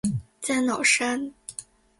加瑙山。